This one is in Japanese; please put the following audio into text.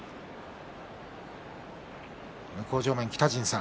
向正面、北陣さん